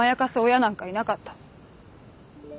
親なんかいなかった。